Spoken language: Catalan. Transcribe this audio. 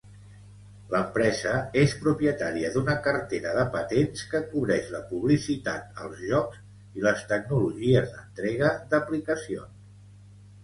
L'empresa és propietària d'una cartera de patents que cobreix la publicitat als jocs i les tecnologies d'entrega d'aplicacions.